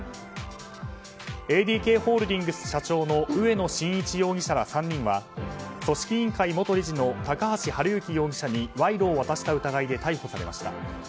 ＡＤＫホールディングス社長の植野伸一容疑者ら３人は組織委元理事の高橋治之容疑者に賄賂を渡した疑いで逮捕されました。